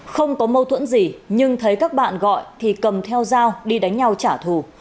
không có mâu thuẫn gì nhưng thấy các bạn gọi thì cầm theo dao đi đánh nhau trả thù